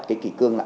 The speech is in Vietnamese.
cái kỷ cương lại